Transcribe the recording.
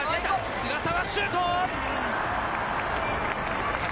菅澤、シュート！